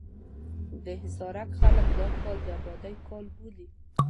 د حصارک خلک دا کال د ابادۍ کال بولي.